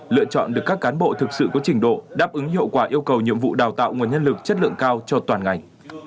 lựa chọn được các cán bộ thực sự có trình độ đáp ứng hiệu quả yêu cầu nhiệm vụ đào tạo nguồn nhân lực chất lượng cao cho toàn ngành